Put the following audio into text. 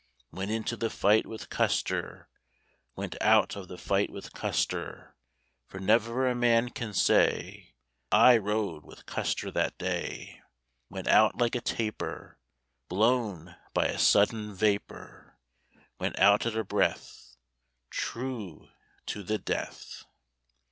Went into the fight with Custer, Went out of the fight with Custer; For never a man can say, "I rode with Custer that day " Went out like a taper, Blown by a sudden vapor, Went out at a breath, True to the death!